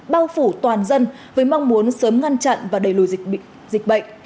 bao phủ toàn dân với mong muốn sớm ngăn chặn và đẩy lùi dịch bệnh